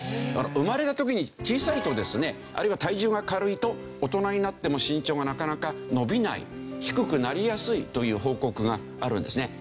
生まれた時に小さいとですねあるいは体重が軽いと大人になっても身長がなかなか伸びない低くなりやすいという報告があるんですね。